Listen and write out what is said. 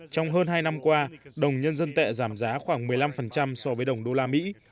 trong hơn hai năm qua đồng nhân dân tệ giảm giá khoảng một mươi năm so với đồng đô la mỹ